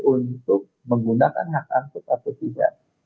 untuk menggunakan hak angket atau tidak